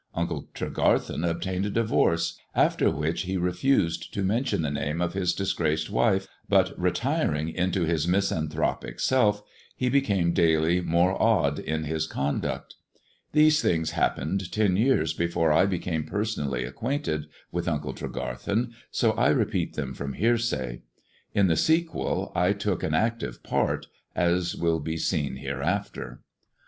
Unci Tregarthen obtained a divorce ; after which he refused t mention the name of his disgraced wife, but retiring int his misanthropic self, he became daily more odd in hi * conduct. These things happened ten years before I becam personally acquainted with Uncle Tregarthen, so I repea them from hearsay. In the sequel I took an active pan as will be seen hereafter.